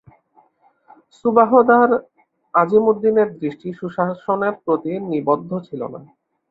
সুবাহদার আজিমউদ্দীনের দৃষ্টি সুশাসনের প্রতি নিবদ্ধ ছিল না।